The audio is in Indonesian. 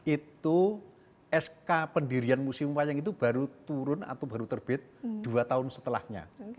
itu sk pendirian museum wayang itu baru turun atau baru terbit dua tahun setelahnya